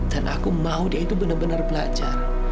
dan aku mau dia itu bener bener belajar